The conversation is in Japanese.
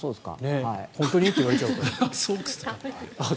本当に？って言われちゃうから。